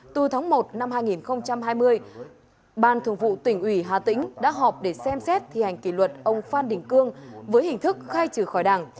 từ tháng một năm hai nghìn hai mươi ban thường vụ tỉnh ủy hà tĩnh đã họp để xem xét thi hành kỷ luật ông phan đình cương với hình thức khai trừ khỏi đảng